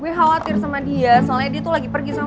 gue khawatir sama dia soalnya dia tuh lagi pergi sama